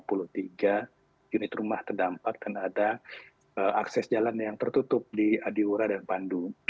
lima puluh tiga unit rumah terdampak dan ada akses jalan yang tertutup di adiwura dan pandu